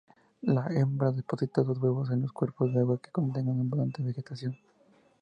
La hembra deposita los huevos en los cuerpos de agua que contengan abundante vegetación.